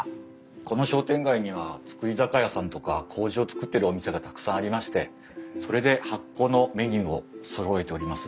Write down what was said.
この商店街には造り酒屋さんとかこうじを造ってるお店がたくさんありましてそれで発酵のメニューをそろえております。